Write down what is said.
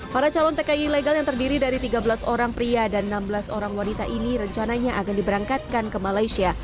para calon tki ilegal yang terdiri dari tiga belas orang pria dan enam belas orang wanita ini rencananya akan diberangkatkan ke malaysia